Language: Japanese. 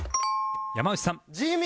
山内さん